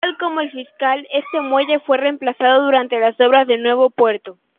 Tal como el Fiscal, este muelle fue reemplazado durante las obras del nuevo puerto.